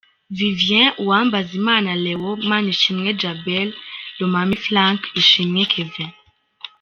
Vivien, Uwambazimana Leon, Manishimwe Djabel, Lomami Frank, Ishimwe Kevin.